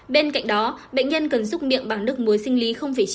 bên cạnh đó bệnh nhân cần giúp miệng bằng nước muối sinh lý chín